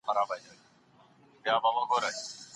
مثبت خلګ د ژوند لپاره اړین دي.